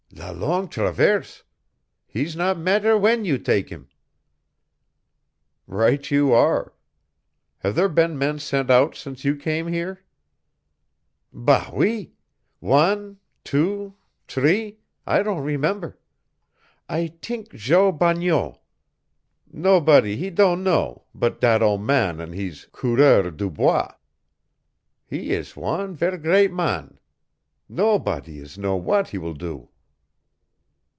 "La Longue Traverse hees not mattaire w'en yo tak' heem." "Right you are. Have there been men sent out since you came here?" "Bâ oui. Wan, two, t'ree. I don' remember. I t'ink Jo Bagneau. Nobodee he don' know, but dat ole man an' hees coureurs du bois. He ees wan ver' great man. Nobodee is know w'at he will do."